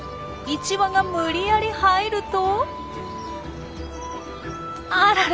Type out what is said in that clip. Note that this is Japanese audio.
１羽が無理やり入るとあらら。